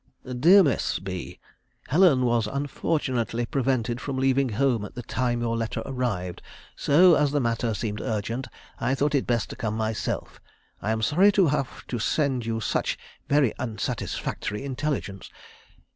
"DEAR MISS B, "Helen was unfortunately prevented from leaving home at the time your letter arrived, so, as the matter seemed urgent, I thought it best to come myself. I am sorry to have to send you such very unsatisfactory intelligence.